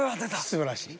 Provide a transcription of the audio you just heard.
すばらしい。